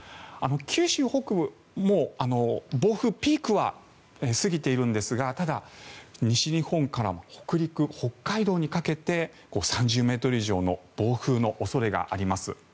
九州北部、もう暴風ピークは過ぎているんですがただ、西日本から北陸、北海道にかけて３０ｍ以上の暴風の恐れがあります。